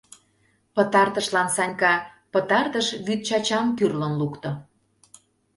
Пытартышлан Санька пытартыш вӱдчачам кӱрлын лукто.